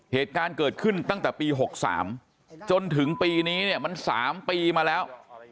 เหตุการณ์เกิดขึ้นตั้งแต่ปี๖๓จนถึงปีนี้เนี่ยมัน๓ปีมาแล้ว